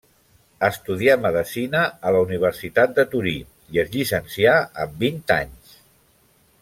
Estudià medecina a la Universitat de Torí, i es llicencià amb vint anys.